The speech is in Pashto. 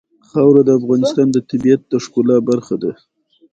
خاوره د افغانستان د طبیعت د ښکلا برخه ده.